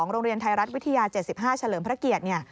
โรงเรียนไทยรัฐวิทยา๗๕เฉลิมพระเกียรติ